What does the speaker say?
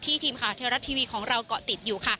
ที่ทีมข่าวเทวรัชทีวีของเราก็ติดอยู่